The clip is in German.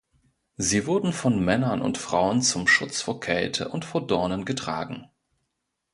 Sie wurden von Männern und Frauen zum Schutz vor Kälte und vor Dornen getragen.